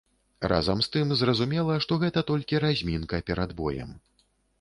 Разам з тым, зразумела, што гэта толькі размінка перад боем.